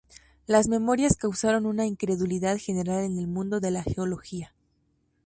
Las memorias causaron una incredulidad general en el mundo de la geología.